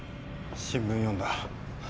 新聞読んだ。